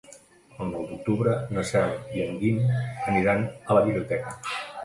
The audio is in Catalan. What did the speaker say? El nou d'octubre na Cel i en Guim aniran a la biblioteca.